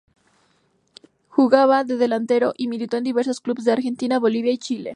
Jugaba de delantero y militó en diversos clubes de Argentina, Bolivia y Chile.